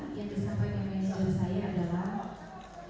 yang disampaikan oleh suami saya adalah